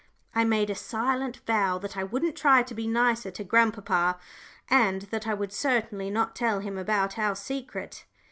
I made a silent vow that I wouldn't try to be nicer to grandpapa, and that I would certainly not tell him about our secret.